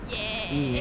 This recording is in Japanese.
いいね。